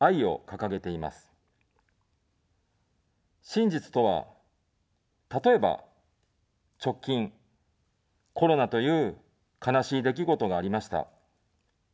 真実とは、例えば、直近、コロナという悲しい出来事がありました。